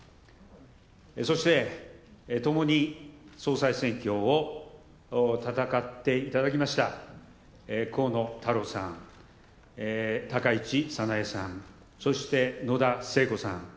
そして、ともに総裁選挙を戦っていただきました、河野太郎さん、高市早苗さん、そして野田聖子さん。